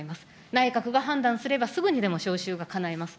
内閣が判断すれば、すぐにでも召集がかないます。